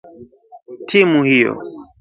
Timu hiyo